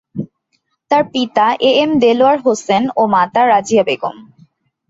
তার পিতা A M Delwar Hossain ও মাতা রাজিয়া বেগম।